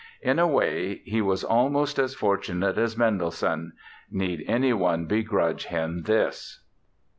In a way he was almost as fortunate as Mendelssohn. Need anyone begrudge him this?